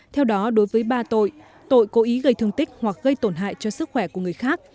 theo đó đối với ba tội tội cố ý gây thương tích hoặc gây tổn hại cho sức khỏe của người khác